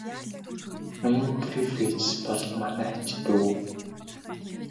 Ноён Грифитс бол манай ач дүү.